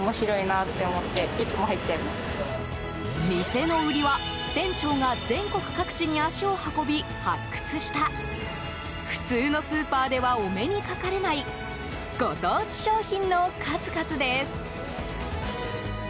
店の売りは、店長が全国各地に足を運び発掘した普通のスーパーではお目にかかれないご当地商品の数々です。